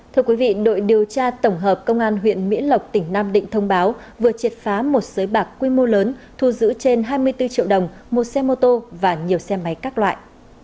thưa quý vị đội điều tra tổng hợp công an huyện mỹ lộc tỉnh nam định thông báo vừa triệt phá một sới bạc quy mô lớn thu giữ trên hai mươi bốn triệu đồng một xe mô tô và nhiều xe máy các loại